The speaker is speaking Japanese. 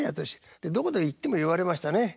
でどこへ行っても言われましたね